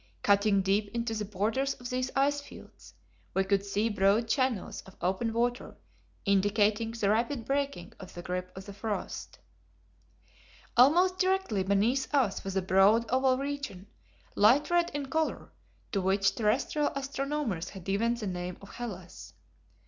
Cutting deep into the borders of these ice fields, we could see broad channels of open water, indicating the rapid breaking of the grip of the frost. Almost directly beneath us was a broad oval region, light red in color, to which terrestrial astronomers had given the name of Hellas.